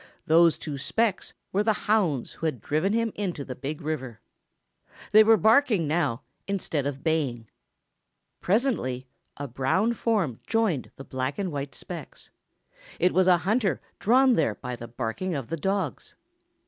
Those two specks were the hounds who had driven him into the Big River. They were barking now, instead of baying. Presently a brown form joined the black and white specks. It was a hunter drawn there by the barking of the dogs.